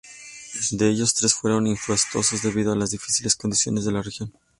De ellos, tres fueron infructuosos debido a las difíciles condiciones de la región.